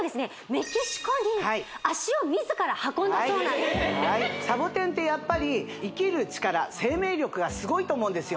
メキシコにはい足を自ら運んだそうなんです・ええサボテンってやっぱり生きる力生命力がすごいと思うんですよ